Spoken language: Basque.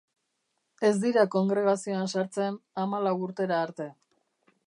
Ez dira kongregazioan sartzen hamalau urtera arte.